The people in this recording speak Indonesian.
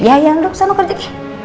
ya ya lo kesana kerja deh